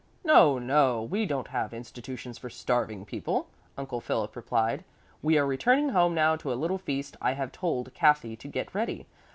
"No, no, we don't have institutions for starving people," Uncle Philip replied. "We are returning home now to a little feast I have told Kathy to get ready.